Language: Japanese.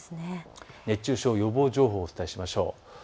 熱中症予防情報をお伝えしましょう。